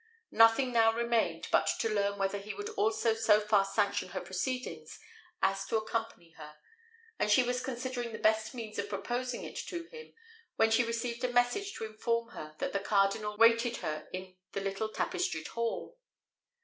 Nothing now remained but to learn whether he would so far sanction her proceedings as to accompany her; and she was considering the best means of proposing it to him, when she received a message to inform her that the cardinal waited her in the little tapestried hall.